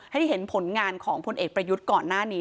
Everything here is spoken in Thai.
ให้เห็นผลงานของพลเอกประยุทธ์ก่อนหน้านี้